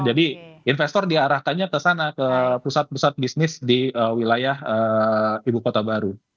jadi investor diarahkannya ke sana ke pusat pusat bisnis di wilayah ibu kota baru